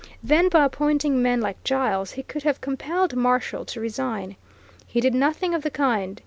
Then by appointing men like Giles he could have compelled Marshall to resign. He did nothing of the kind.